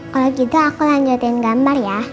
kalau gitu aku lanjutin gambar ya